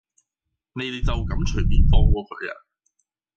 你哋就噉隨便放過佢呀？